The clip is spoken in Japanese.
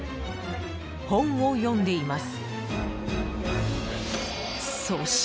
［本を読んでいます］